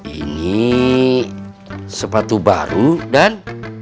ini sepatu baru dan